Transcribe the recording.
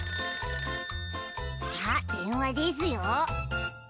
☎あっでんわですよ。